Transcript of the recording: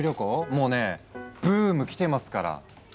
もうねブーム来てますから。